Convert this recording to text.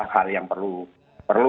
hal yang perlu